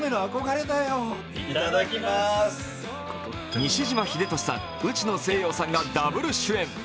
西島秀俊さん、内野聖陽さんがダブル主演。